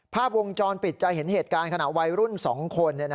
ภาพวงจรปิดจะเห็นเหตุการณ์ขณะวัยรุ่น๒คน